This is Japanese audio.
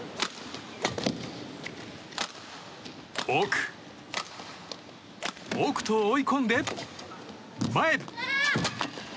奥、奥と追い込んで前。